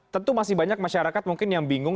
tentu masih banyak masyarakat mungkin yang bingung